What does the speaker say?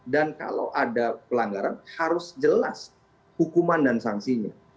dan kalau ada pelanggaran harus jelas hukuman dan sanksinya